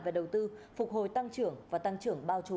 về đầu tư phục hồi tăng trưởng và tăng trưởng bao trùm